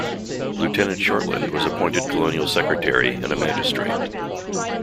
Lieutenant Shortland was appointed colonial secretary and a magistrate.